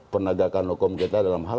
penegakan hukum kita dalam hal